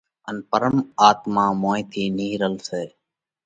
ان پرم آتما موئين ٿِي نِيھرل سئہ